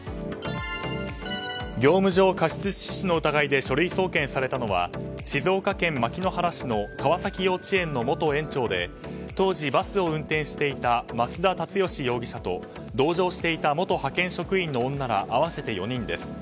業務上過失致死の疑いで書類送検されたのは静岡県牧之原市の川崎幼稚園の元園長で当時バスを運転していた増田立義容疑者と同乗していた元派遣職員の女ら合わせて４人です。